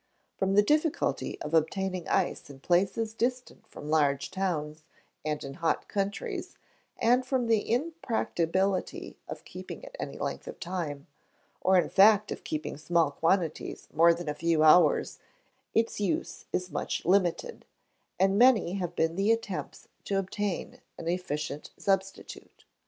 From the difficulty of obtaining ice in places distant from large towns, and in hot countries, and from the impracticability of keeping it any length of time, or, in fact, of keeping small quantities more than a few hours its use is much limited, and many have been the attempts to obtain an efficient substitute.